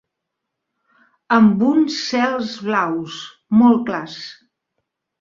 Amb uns cels blaus, molt clars